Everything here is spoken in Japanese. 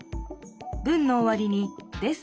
文のおわりに「です」